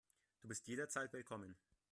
Du bist jederzeit willkommen.